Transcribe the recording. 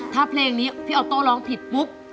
ถ้าเพลงนี้พี่ออโต้ร้องผิดปุ๊บ